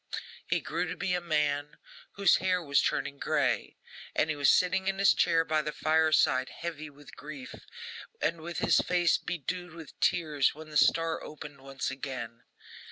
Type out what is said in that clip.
He grew to be a man, whose hair was turning grey, and he was sitting in his chair by the fireside, heavy with grief, and with his face bedewed with tears, when the star opened once again.